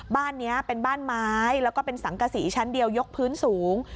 บ้านนี้เป็นบ้านไม้แล้วก็เป็นสังกษีชั้นเดียวยกพื้นสูง